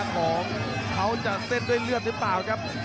ของเขาจะเต้นด้วยเลือดหรือเปล่าครับ